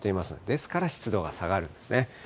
ですから、湿度が下がるんですね。